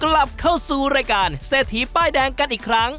กลับเข้าสู่รายการเศรษฐีป้ายแดงกันอีกครั้ง